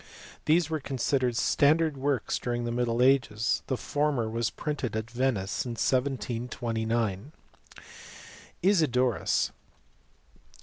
These were considered standard works during the middle ages : the former was printed at Venice in 1729. Isidorus.